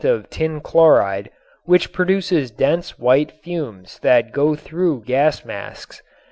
of tin chloride, which produces dense white fumes that go through gas masks.